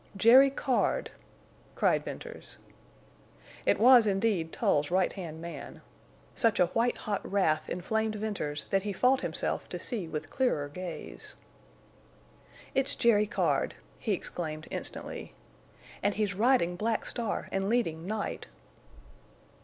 "Jerry Card!" cried Venters. It was indeed Tull's right hand man. Such a white hot wrath inflamed Venters that he fought himself to see with clearer gaze. "It's Jerry Card!" he exclaimed, instantly. "_And he's riding Black Star and leading Night!